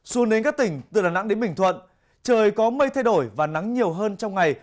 xuống đến các tỉnh từ đà nẵng đến bình thuận trời có mây thay đổi và nắng nhiều hơn trong ngày